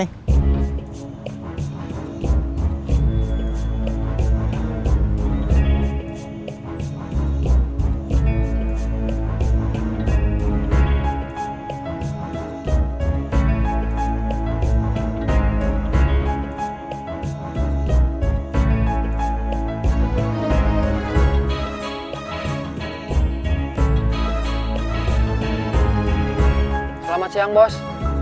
selamat siang bos